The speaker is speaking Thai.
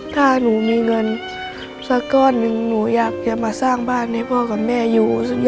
ถ้าหนูมีเงินสักกรอดหนึ่งหนูอยากจะมาสร้างบ้านให้พ่อกับแม่อยู่อย่างสุขสบายค่ะ